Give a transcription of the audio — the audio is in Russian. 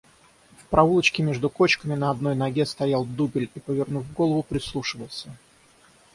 В проулочке между кочками на одной ноге стоял дупель и, повернув голову, прислушивался.